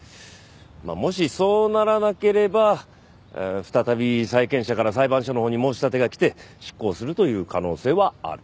まあもしそうならなければ再び債権者から裁判所のほうに申し立てが来て執行するという可能性はある。